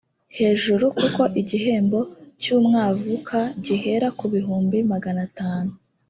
hejuru kuko igihembo cy umwavuka gihera ku bihumbi magana atanu